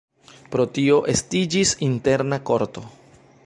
Pro tio estiĝis interna korto.